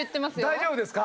大丈夫ですか？